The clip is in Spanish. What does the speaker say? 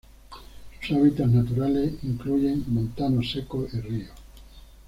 Sus hábitats naturales incluyen montanos secos y ríos.